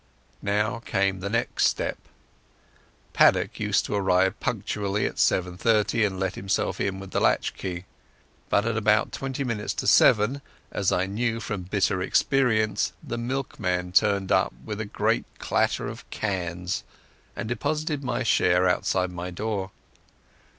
Now came the next step. Paddock used to arrive punctually at 7.30 and let himself in with a latch key. But about twenty minutes to seven, as I knew from bitter experience, the milkman turned up with a great clatter of cans, and deposited my share outside my door.